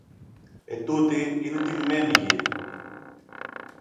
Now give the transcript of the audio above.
Ετούτη είναι τιμημένη γη.